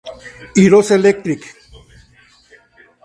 Hirose Electric